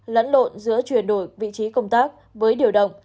lẫn lộn giữa chuyển đổi vị trí công tác với điều động